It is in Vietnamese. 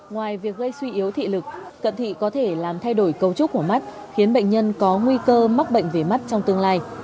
ngoài việc gây suy yếu thị lực cận thị có thể làm thay đổi cấu trúc của mắt khiến bệnh nhân có nguy cơ mắc bệnh về mắt trong tương lai